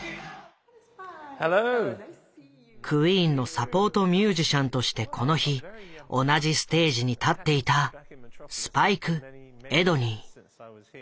クイーンのサポートミュージシャンとしてこの日同じステージに立っていたスパイク・エドニー。